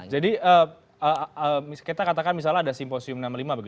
jadi kita katakan misalnya ada simposium enam puluh lima